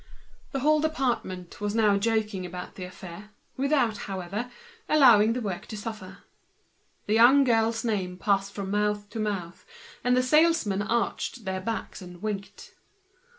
The whole department was now joking about the affair, without, however, allowing the work to suffer. The young girl's name passed from mouth to mouth, the fellows arched their backs and winked.